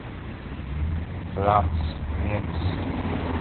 flops, mips